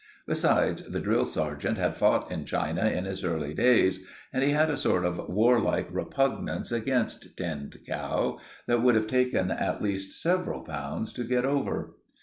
Besides, the drill sergeant had fought in China in his early days, and he had a sort of warlike repugnance against Tinned Cow that would have taken at least several pounds to get over.